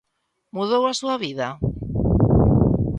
Mudou a súa vida?